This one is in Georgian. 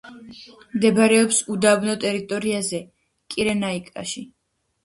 მდებარეობს უდაბნო ტერიტორიაზე, კირენაიკაში.